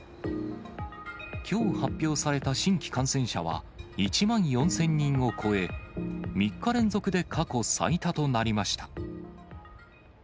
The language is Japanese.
きょう発表された新規感染者は、１万４０００人を超え、３日連続で過去最多となりました。